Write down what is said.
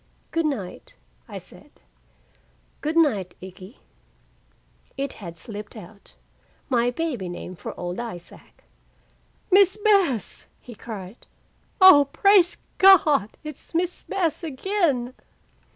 "Good night," I said. "Good night, Ikkie." It had slipped out, my baby name for old Isaac! "Miss Bess!" he cried. "Oh, praise Gawd, it's Miss Bess again!"